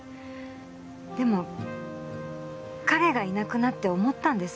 でも彼がいなくなって思ったんです。